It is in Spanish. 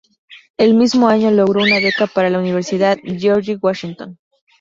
El mismo año logró una beca para la Universidad George Washington.